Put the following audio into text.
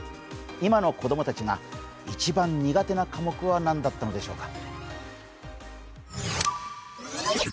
今の子供たちが一番苦手な科目は何だったのでしょうか。